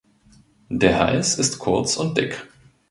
Der Hals ist kurz und dick.